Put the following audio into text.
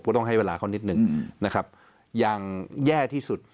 ต้องให้เวลาเขานิดนึงนะครับอย่างแย่ที่สุด